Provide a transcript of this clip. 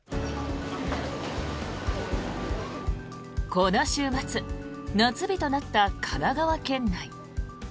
この週末、夏日となった神奈川県内。